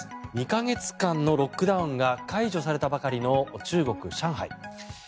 ２か月間のロックダウンが解除されたばかりの中国・上海。